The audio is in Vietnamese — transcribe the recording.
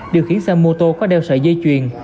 điều khiển xe mô tô có đeo sợi dây chuyền